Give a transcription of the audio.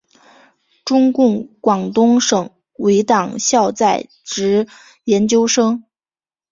中共广东省委党校在职研究生。